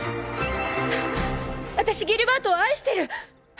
あたしギルバートを愛してる！